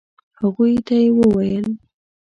هغوی ته يې وويل.